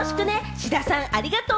志田さん、ありがとう！